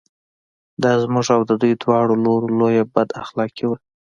دا زموږ او د دوی دواړو لوریو لویه بد اخلاقي وه.